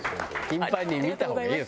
頻繁に見た方がいいよ